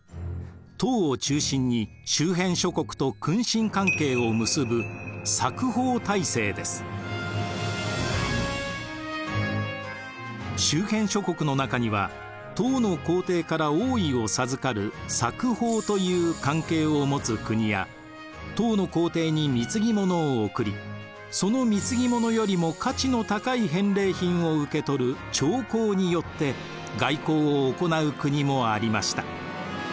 唐を中心に周辺諸国と君臣関係を結ぶ周辺諸国の中には唐の皇帝から王位を授かる冊封という関係を持つ国や唐の皇帝に貢ぎ物を贈りその貢ぎ物よりも価値の高い返礼品を受け取る朝貢によって外交を行う国もありました。